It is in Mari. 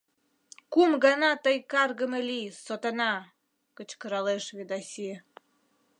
— Кум гана тый каргыме лий, сотана! — кычкыралеш Ведаси.